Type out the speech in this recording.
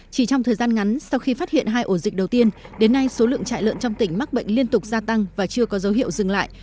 chỉ trong thời gian ngắn sau khi phát hiện hai ổ dịch đầu tiên đến nay số lượng trại lợn trong tỉnh mắc bệnh liên tục gia tăng và chưa có dấu hiệu dừng lại